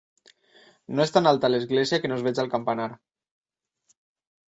No és tan alta l'església que no es vegi el campanar.